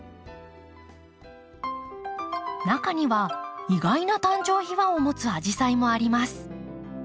中には意外な誕生秘話を持つアジサイもあります。